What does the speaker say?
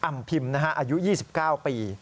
พิมพ์นะฮะอายุ๒๙ปี